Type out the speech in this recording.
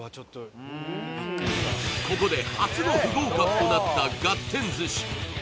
ここで初の不合格となったがってん寿司